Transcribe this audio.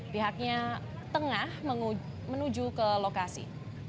pihaknya tengah menuju ke lokasi